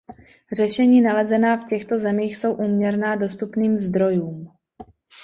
Řešení nalezená v těchto zemích jsou úměrná dostupným zdrojům.